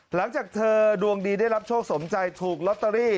หลังจากเธอดวงดีได้รับโชคสมใจถูกลอตเตอรี่